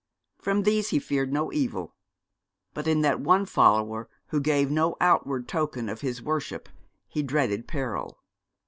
From these he feared no evil. But in that one follower who gave no outward token of his worship he dreaded peril.